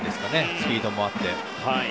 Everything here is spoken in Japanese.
スピードもあって。